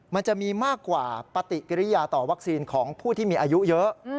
มันจะมีมากกว่าปฏิกิริยาต่อวัคซีนของผู้ที่มีอายุเยอะ